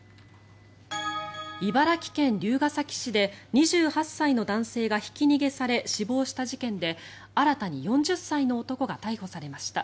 茨城県龍ケ崎市で２８歳の男性がひき逃げされ、死亡した事件で新たに４０歳の男が逮捕されました。